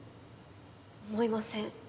思いません。